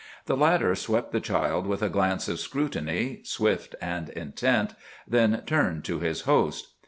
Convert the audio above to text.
The latter swept the child with a glance of scrutiny, swift and intent, then turned to his host.